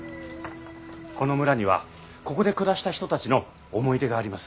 この村にはここで暮らした人たちの思い出があります。